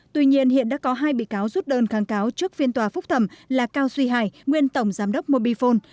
tuy nhiên hiện đã có hai bị cáo rút đơn kháng cáo trước phiên tòa phúc thẩm là cao suy hải nguyên tổng giám đốc mobifone